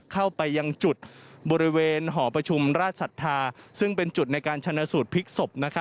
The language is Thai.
เข้าไปยังจุดบริเวณหอประชุมราชศรัทธาซึ่งเป็นจุดในการชนะสูตรพลิกศพ